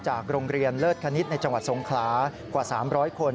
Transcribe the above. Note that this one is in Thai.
จากโรงเรียนเลิศคณิตในจังหวัดสงคลากว่า๓๐๐คน